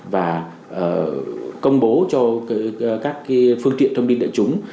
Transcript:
và công bố cho các phương tiện thông tin đại chúng